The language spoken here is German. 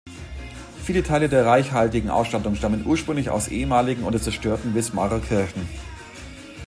Viele Teile der reichhaltigen Ausstattung stammen ursprünglich aus ehemaligen oder zerstörten Wismarer Kirchen.